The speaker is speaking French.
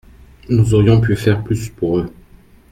Nous aurions pu faire plus pour eux.